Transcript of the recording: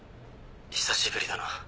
久しぶりだな。